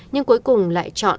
nhưng cuối cùng lại chọn